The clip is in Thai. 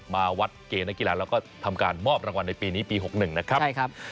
มาวัดเกณฑ์นักกีฬาแล้วก็ทำการมอบรางวัลในปีนี้ปี๖๑นะครับใช่ครับ